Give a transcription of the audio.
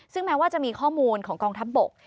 ซึ่งแม้ว่าจะมีข้อมูลของกองทัพบก